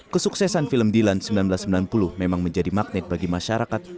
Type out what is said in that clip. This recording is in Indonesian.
kesuksesan film dilan seribu sembilan ratus sembilan puluh memang menjadi magnet bagi masyarakat